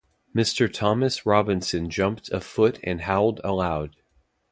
Mr. Thomas Robinson jumped a foot and howled aloud.